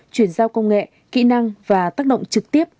chuyển giao công nghệ kỹ năng và tác động trực tiếp